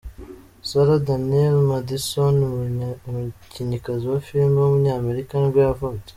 Sarah Daniel Madison, umukinnyikazi wa film w’umunyamerika nibwo yavutse.